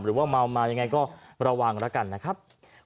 หรือว่าเมามายังไงก็ระวังแล้วกันนะครับ